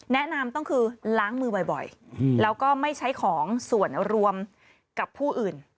แนะนำต้องคือล้างมือบ่อยแล้วก็ไม่ใช้ของส่วนรวมกับผู้อื่น